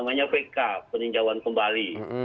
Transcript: namanya pk peninjauan kembali